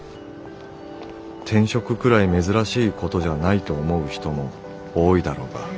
「転職くらい珍しいことじゃないと思う人も多いだろうが」。